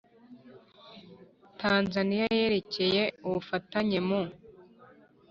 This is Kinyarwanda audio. Tanzaniya yerekeye ubufatanye mu